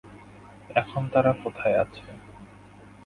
এখন তারা কোথায় আছে?